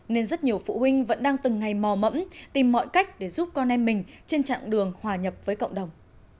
nên rất nhiều phụ huynh vẫn đang từng ngày mò mẫm tìm mọi cách để giúp con em mình trên chặng đường hòa nhập với cộng đồng